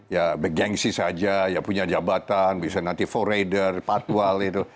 ya bergensi saja ya punya jabatan bisa nanti for raider patwal itu